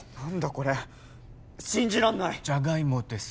これ信じらんないじゃがいもです